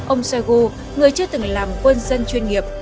ông shoigu người chưa từng làm quân dân chuyên nghiệp